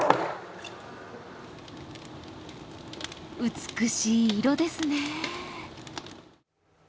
美しい色ですね。